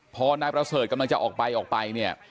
พอนายประเสริฐกำลังจะออกไปออกไปเนี่ย